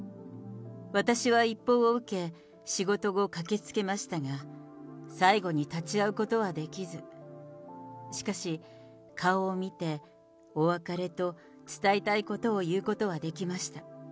私は一報を受け、仕事後、駆けつけましたが、最期に立ち会うことはできず、しかし、顔を見てお別れと、伝えたいことを言うことはできました。